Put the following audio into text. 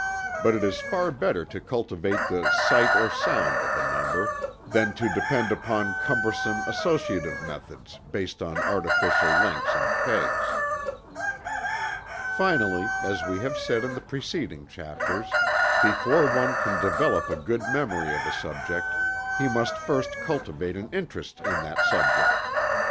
But it is far better to cultivate the "sight or sound" of a number, than to depend upon cumbersome associative methods based on artificial links and pegs. Finally, as we have said in the preceding chapters, before one can develop a good memory of a subject, he must first cultivate an interest in that subject.